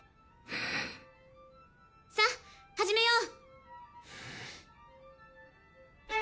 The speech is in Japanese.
さっ始めよう。